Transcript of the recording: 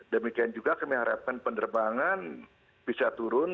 demikian juga kami harapkan penerbangan bisa turun